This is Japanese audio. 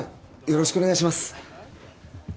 よろしくお願いします